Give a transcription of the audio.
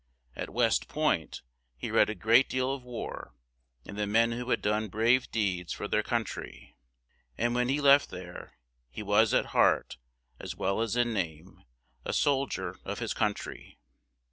At West Point, he read a great deal of war, and the men who had done brave deeds for their coun try; and when he left there he was, at heart, as well as in name, a sol dier of his coun try.